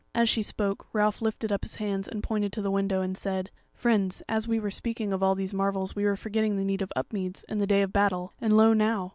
As she spoke, Ralph lifted up his hand and pointed to the window, and said: "Friends, as we were speaking of all these marvels we were forgetting the need of Upmeads and the day of battle; and lo now!